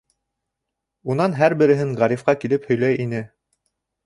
Унан һәр береһен Ғарифҡа килеп һөйләй ине.